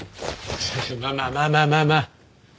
まあまあまあまあまあまあ。